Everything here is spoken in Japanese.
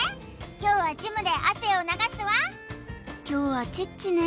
今日はジムで汗を流すわ凶はチッチね